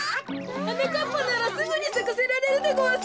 はなかっぱならすぐにさかせられるでごわす。